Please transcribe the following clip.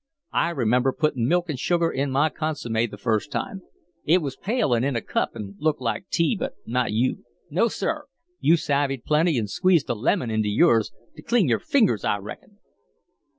I remember putting milk and sugar in my consomme the first time. It was pale and in a cup and looked like tea but not you. No, sir! You savvied plenty and squeezed a lemon into yours to clean your fingers, I reckon."